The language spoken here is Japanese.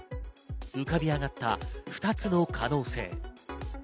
浮かび上がった２つの可能性。